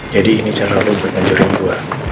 jadi ini cara lo buat menjerimu